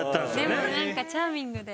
でもなんかチャーミングで。